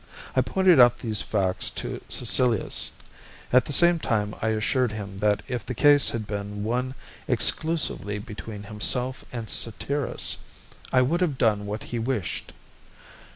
I pointed out these facts to Caecilius; at the same time I assured him that if the case had been one exclusively between himself and Satyrus, I would have done what he wished.